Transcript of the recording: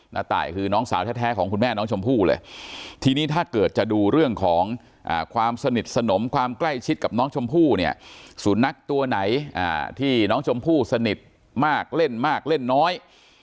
ตายคือน้องสาวแท้ของคุณแม่น้องชมพู่เลยทีนี้ถ้าเกิดจะดูเรื่องของความสนิทสนมความใกล้ชิดกับน้องชมพู่เนี่ยสุนัขตัวไหนที่น้องชมพู่สนิทมากเล่นมากเล่นน้อย